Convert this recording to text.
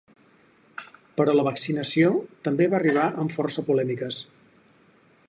Però la vaccinació també va arribar amb força polèmiques.